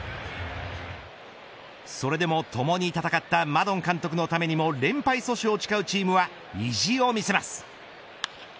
それでもともに戦ったマドン監督のためにも連敗阻止を誓うチームは意地を見せます。